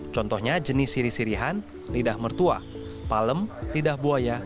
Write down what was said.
contohnya jenis siri sirihan lidah mertua palem lidah buaya